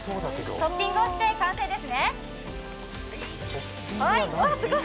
トッピングをして完成ですね、すごい。